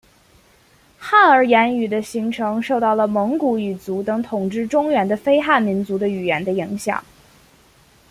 汉儿言语的形成受到了蒙古语族等统治中原的非汉民族的语言的影响。